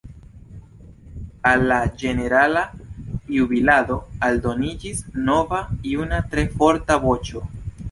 Al la ĝenerala jubilado aldoniĝis nova juna tre forta voĉo.